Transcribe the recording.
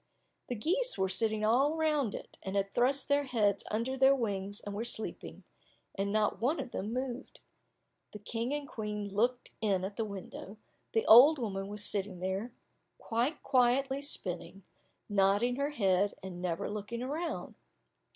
The geese were sitting all round it, and had thrust their heads under their wings and were sleeping, and not one of them moved. The King and Queen looked in at the window, the old woman was sitting there quite quietly spinning, nodding her head and never looking round.